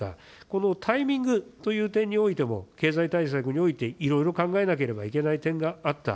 このタイミングという点においても、経済対策においていろいろ考えなければいけない点があった。